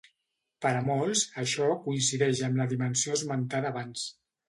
Per a molts, això coincideix amb la dimensió esmentada abans.